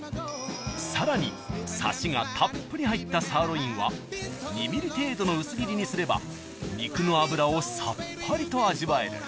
［さらにサシがたっぷり入ったサーロインは２ｍｍ程度の薄切りにすれば肉の脂をさっぱりと味わえる］